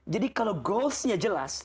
jadi kalau goalsnya jelas